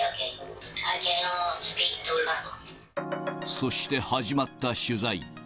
そして始まった取材。